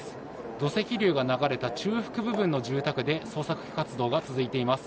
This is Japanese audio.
土石流が流れた中腹部分の住宅で捜索活動が続いています。